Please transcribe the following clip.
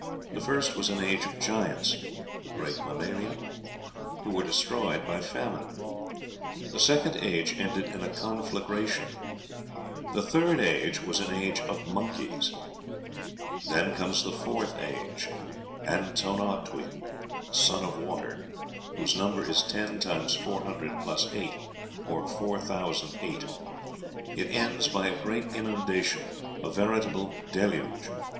The first was an age of giants (the great mammalia?) who were destroyed by famine; the second age ended in a conflagration; the third age was an age of monkeys. "Then comes the fourth age, Atonatiuh, 'Sun of Water,' whose number is 10 X 400 + 8, or 4008. It ends by a great inundation, a veritable deluge.